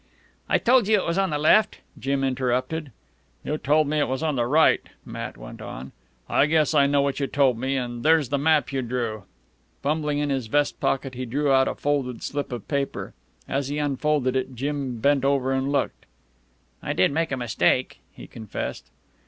"I told you it was on the left," Jim interrupted. "You told me it was on the right," Matt went on. "I guess I know what you told me, an' there's the map you drew." Fumbling in his vest pocket, he drew out a folded slip of paper. As he unfolded it, Jim bent over and looked. "I did make a mistake," he confessed.